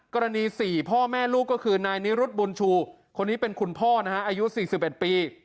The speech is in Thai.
กรณี๔พ่อแม่ลูกก็คือนายนิรุธบุญชูคนนี้เป็นคุณพ่อนะฮะอายุ๔๑ปี